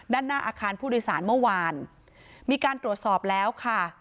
ด้านหน้าอาคารผู้โดยสารเมื่อวานมีการตรวจสอบแล้วค่ะ